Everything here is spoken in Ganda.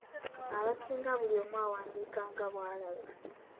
Abasinga buli omu awandiika nga bw’alaba.